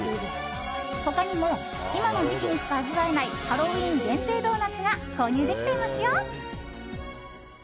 他にも今の時期にしか味わえないハロウィーン限定ドーナツが購入できちゃいますよ！